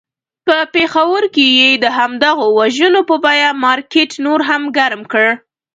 په پېښور کې یې د همدغو وژنو په بیه مارکېټ نور هم ګرم کړ.